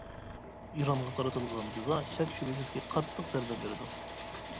ئىرانغا قارىتىلغان جازا شەك-شۈبھىسىزكى قاتتىق زەربە بېرىدۇ.